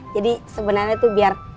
jadi sebenarnya tuh biar